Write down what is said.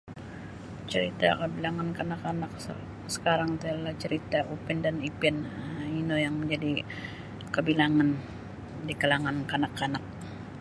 Carita kabilangan kanak-kanak sak-sakarang ti adalah carita Upin dan Ipin um ino yang majadi kabilangan di kalangan kanak-kanak.